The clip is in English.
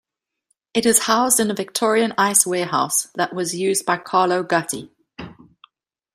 It is housed in a Victorian ice warehouse that was used by Carlo Gatti.